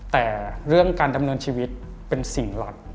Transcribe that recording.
แต่เรื่องการดำเนินชีวิตเป็นสิ่งหลัด